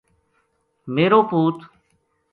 میرو پُوت